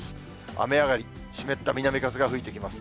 雨上がり、湿った南風が吹いてきます。